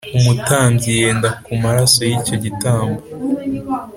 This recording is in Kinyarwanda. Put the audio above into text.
Umutambyi yende ku maraso y icyo gitambo.